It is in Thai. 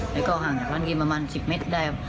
แล้วก็ห่างจากร้านเกมประมาณ๑๐เมตรได้